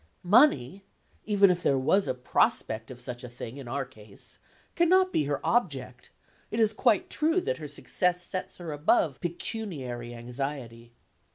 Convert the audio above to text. Money (even if there was a prospect of such a thing, in our case) cannot be her object; it is quite true that her success sets her above pecuniary anxiety.